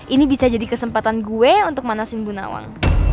ini bisa jadi kesempatan gue untuk manasin bu nawang